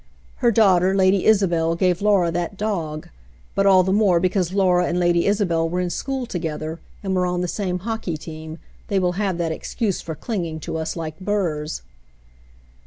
Her daughter, Lady Isabel, gave Laura that dog, — but all the more because Laura and Lady Isabel were in school together, and were on the same hockey team, they will have that excuse for clinging to us like burs.